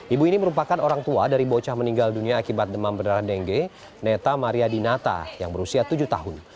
ibu ini merupakan orang tua dari bocah meninggal dunia akibat demam berdarah dengue neta mariadinata yang berusia tujuh tahun